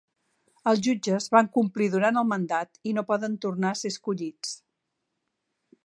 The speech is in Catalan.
Els jutges van complir durant el mandat i no poden tornar a ser escollits.